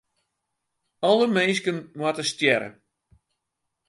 Alle minsken moatte stjerre.